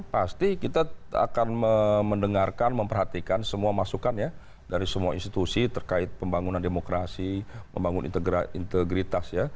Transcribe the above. pasti kita akan mendengarkan memperhatikan semua masukan ya dari semua institusi terkait pembangunan demokrasi membangun integritas ya